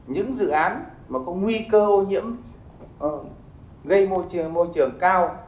những dự án mà có nguy cơ ô nhiễm gây môi trường cao